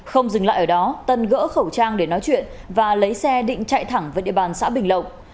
không dừng lại ở đó tân gỡ khẩu trang để nói chuyện và lấy xe định chạy thẳng với địa bàn xã bình lộc